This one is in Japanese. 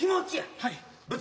はい。